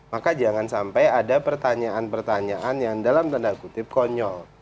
maka jangan sampai ada pertanyaan pertanyaan yang dalam tanda kutip konyol